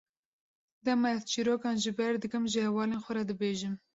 Dema ez çîrokan ji ber dikim, ji hevalên xwe re dibêjim.